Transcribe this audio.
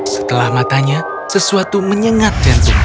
setelah matanya sesuatu menyengat jantungnya